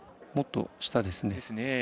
もっと下ですね。